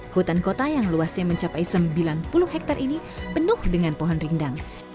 hutan kota yang luasnya mencapai sembilan puluh hektare ini penuh dengan pohon rindang